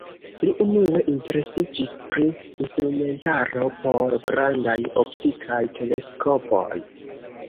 Li unue interesiĝis pri instrumentaro por grandaj optikaj teleskopoj.